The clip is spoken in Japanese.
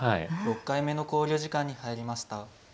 ６回目の考慮時間に入りました。